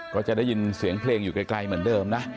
ก็จะได้ยินเสียงเพลงอยู่ไกลเหมือนเดิมนะ